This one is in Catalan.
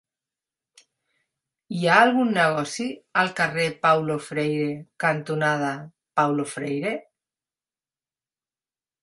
Hi ha algun negoci al carrer Paulo Freire cantonada Paulo Freire?